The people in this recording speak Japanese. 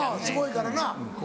すごいからな。